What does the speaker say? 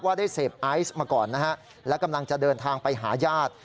ได้เสพไอซ์มาก่อนนะฮะและกำลังจะเดินทางไปหาญาติ